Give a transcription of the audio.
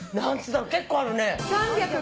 結構あるね。